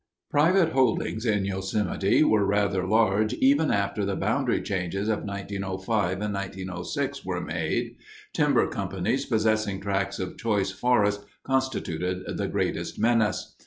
Private holdings in Yosemite were rather large even after the boundary changes of 1905 and 1906 were made. Timber companies possessing tracts of choice forest constituted the greatest menace.